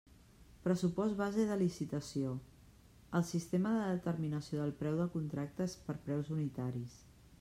Pressupost base de licitació: el sistema de determinació del preu del contracte és per preus unitaris.